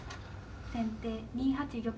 先手２八玉。